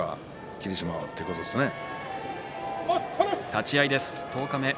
霧島はということですね。